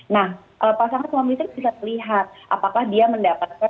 nah pasangan suami istri bisa melihat apakah dia mendapatkan